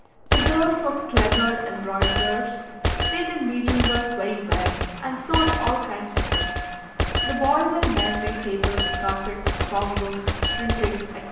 The girls were clever embroiderers, they did needle work very well, and sewed all kinds of things; the boys and men made tables, carpets, bound books, printed, etc.